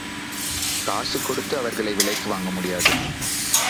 காசு கொடுத்து அவர்களை விலைக்கு வாங்க முடியாது.